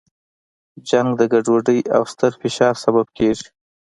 جنګ د ګډوډۍ او ستر فشار سبب کیږي.